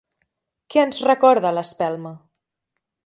Què ens recorda l'espelma?